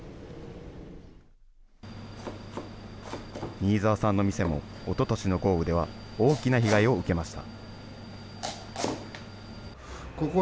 新沢さんの店もおととしの豪雨では大きな被害を受けました。